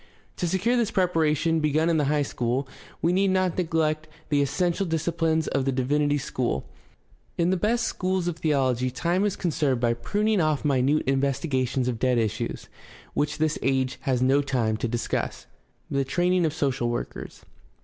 To secure this preparation, begun in. the high school, he need not neglect the essential disciplines of the divinity school. In the best schools of theology time is conserved by pruning off minute investigations of dead issues which this age has no time to discuss. The training of social workers.